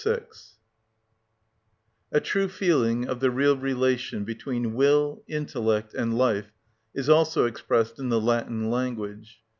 (33) A true feeling of the real relation between will, intellect, and life is also expressed in the Latin language.